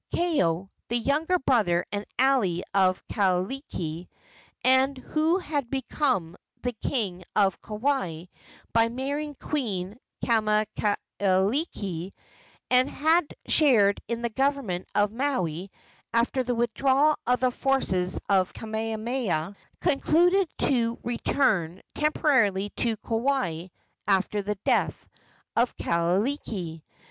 Kaeo, the younger brother and ally of Kahekili, and who had become the king of Kauai by marrying Queen Kamakahelei, and had shared in the government of Maui after the withdrawal of the forces of Kamehameha, concluded to return temporarily to Kauai after the death of Kahekili.